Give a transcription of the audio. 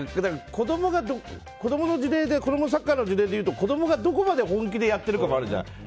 子供のさっきのサッカーの事例で言うと子供がどこまで本気でやってるかもあるじゃん。